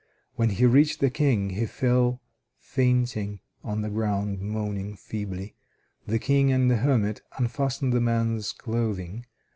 When he reached the King, he fell fainting on the ground moaning feebly. The King and the hermit unfastened the man's clothing.